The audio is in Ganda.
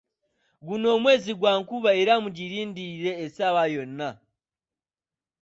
Guno mwezi gwa nkuba era mugirindirire essaawa yonna.